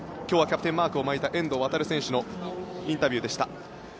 今日はキャプテンマークを巻いた遠藤航選手のインタビューでした。